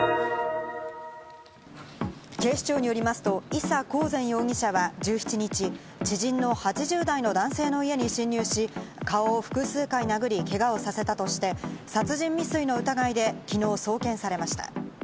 警視庁によりますと伊佐交善容疑者は１７日、知人の８０代の男性の家に侵入し、顔を複数回殴り、けがをさせたとして、殺人未遂の疑いで昨日送検されました。